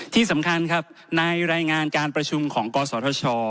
ที่สำคัญครับในรายงานการประชุมของกศธช